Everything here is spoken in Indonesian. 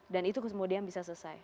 dan itu kemudian bisa selesai